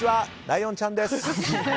ライオンちゃんです。